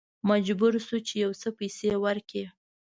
مجبور شوو چې یو څه پیسې ورکړو.